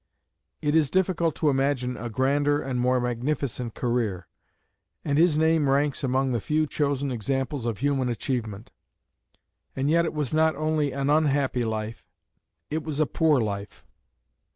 It is difficult to imagine a grander and more magnificent career; and his name ranks among the few chosen examples of human achievement. And yet it was not only an unhappy life; it was a poor life.